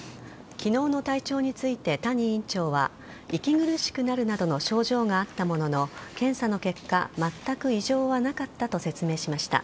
昨日の体調について谷委員長は息苦しくなるなどの症状があったものの検査の結果まったく異常はなかったと説明しました。